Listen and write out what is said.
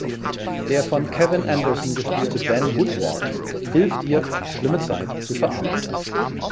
Der von Kevin Anderson gespielte Ben Woodward hilft ihr, die schlimme Zeit zu verarbeiten.